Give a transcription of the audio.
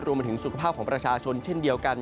มาถึงสุขภาพของประชาชนเช่นเดียวกัน